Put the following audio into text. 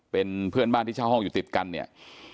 เป็นเพื่อนบ้านที่เช่าห้องอยู่ติดกันเนี่ย